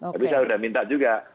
tapi saya sudah minta juga